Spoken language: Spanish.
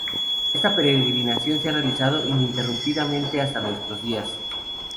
Esta peregrinación se ha realizado ininterrumpidamente hasta nuestros días.